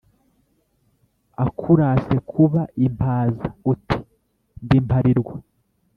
akuraze kuba impaza uti : ndi mparirwa